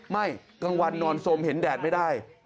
ไม่กลางวันนอนสมเห็นแดดไม่ได้